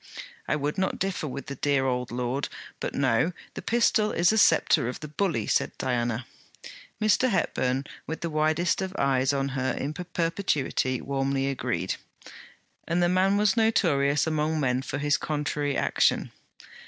'I would not differ with the dear old lord; but no! the pistol is the sceptre of the bully,' said Diana. Mr. Hepburn, with the widest of eyes on her in perpetuity, warmly agreed; and the man was notorious among men for his contrary action.